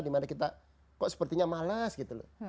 dimana kita kok sepertinya malas gitu loh